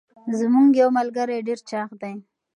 زمونږ یوه ملګري ډير چاغ دي.